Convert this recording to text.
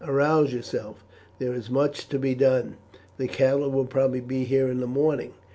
Arouse yourself! there is much to be done. The cattle will probably be here in the morning.